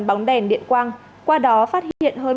bóng đèn điện quang qua đó phát hiện